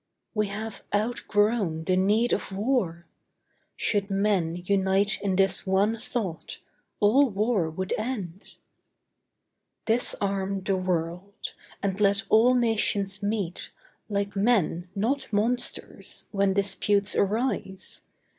We have outgrown the need of war! Should men Unite in this one thought, all war would end. Disarm the world; and let all Nations meet Like Men, not monsters, when disputes arise.